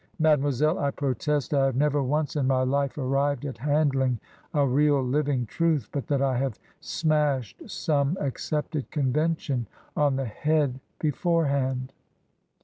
Mademoiselle, I protest I have never once in my life arrived at handling a real living truth but that I have smashed some accepted convention on the head before hand.